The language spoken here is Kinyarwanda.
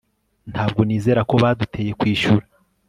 Ntabwo nizera ko baduteye kwishyura